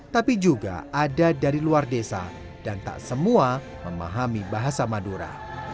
tapi juga ada dari luar desa dan tak semua memahami bahasa madura